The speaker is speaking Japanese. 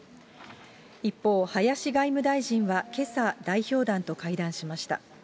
一方、林外務大臣はけさ、代表団と会談しました。